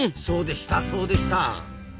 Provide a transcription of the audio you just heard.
そうでしたそうでした。